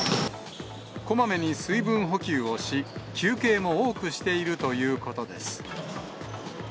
こまめに水分補給をし、休憩も多くしているということです。